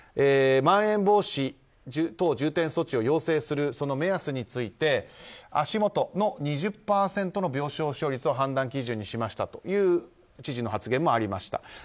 まん延防止等重点措置を要請するその目安について足元の２０％の病床使用率を判断基準にしましたという知事の発言もありました。